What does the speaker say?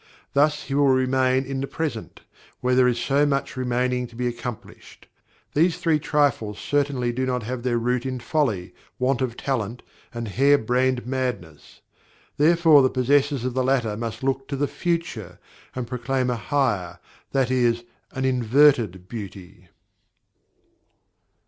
Thus he will remain in the present, where there is so much remaining to be accomplished. These three trifles certainly do not have their root in folly, want of talent, and hare brained madness; therefore the possessors of the latter must look to the "future," and proclaim a "higher," that is, an "inverted beauty."